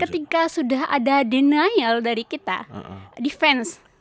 ketika sudah ada denial dari kita defense